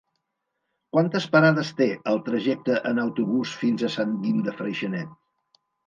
Quantes parades té el trajecte en autobús fins a Sant Guim de Freixenet?